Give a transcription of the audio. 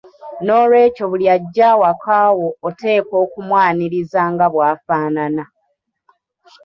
Noolwekyo buli ajja awaka wo oteekwa okumwaniriza nga bw’afaanana.